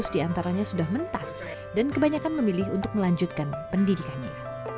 tiga ratus diantaranya sudah mentas dan kebanyakan memilih untuk melanjutkan pendidikannya